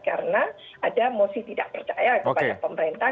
karena ada mosi tidak percaya kepada pemerintah